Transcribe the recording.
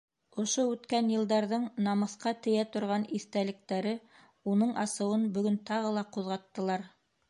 Ошо үткән йылдарҙың намыҫҡа тейә торған иҫтәлектәре уның асыуын бөгөн тағы ла ҡуҙғаттылар.